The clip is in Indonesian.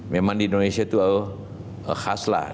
memang di indonesia itu khaslah